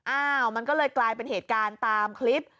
อ้าวมันก็เลยกลายเป็นเหตุการณ์ตามคลิป